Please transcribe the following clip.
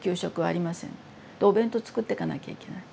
お弁当作っていかなきゃいけない。